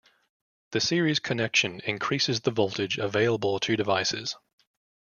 The series connection increases the voltage available to devices.